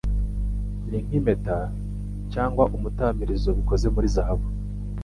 ni nk’impeta cyangwa umutamirizo bikoze muri zahabu